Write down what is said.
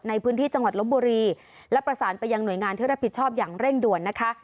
ในพื้นที่จังหวัดลบบุรีและประสานไปยังหน่วยงานที่รับผิดชอบอย่างเร่งด่วนนะคะ